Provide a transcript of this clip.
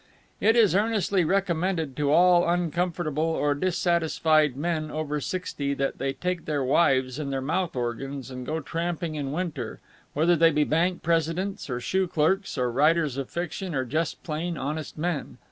It is earnestly recommended to all uncomfortable or dissatisfied men over sixty that they take their wives and their mouth organs and go tramping in winter, whether they be bank presidents or shoe clerks or writers of fiction or just plain honest men.